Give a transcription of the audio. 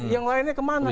yang lainnya kemana